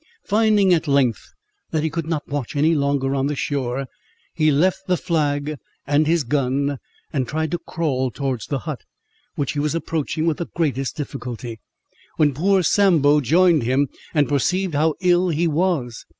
Finding, at length, that he could not watch any longer on the shore, he left the flag and his gun, and tried to crawl towards the hut, which he was approaching with the greatest difficulty, when poor Sambo joined him, and perceived how ill he was.